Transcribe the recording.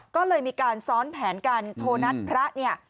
ก็เลยมีการซ้อนแผนกันโทรนัดพระเนี่ย